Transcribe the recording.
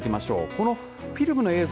このフィルムの映像